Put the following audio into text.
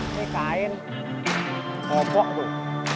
ini kain pokok tuh